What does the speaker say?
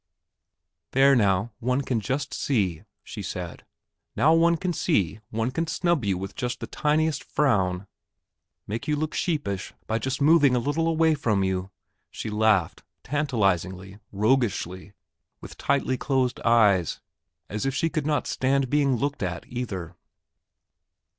"There now, one can see!" she said, "now one can just see one can snub you with just the tiniest frown make you look sheepish by just moving a little away from you" ... she laughed, tantalizingly, roguishly, with tightly closed eyes, as if she could not stand being looked at, either.